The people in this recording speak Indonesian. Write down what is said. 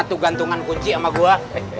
tuh gantungan kunci sama gua